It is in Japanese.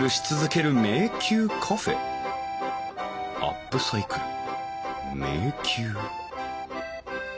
アップサイクル迷宮？